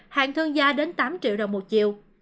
hạng thương gia đến tám triệu đồng một triệu